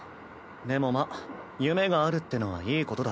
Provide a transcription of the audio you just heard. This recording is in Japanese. でもまあ夢があるってのはいいことだ。